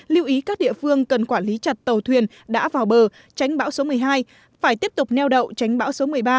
lưu ý các địa phương cần quản lý chặt tàu thuyền đã vào bờ tránh bão số một mươi hai phải tiếp tục neo đậu tránh bão số một mươi ba